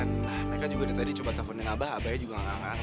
dan mereka juga udah tadi coba telfonin abah abahnya juga gak angkat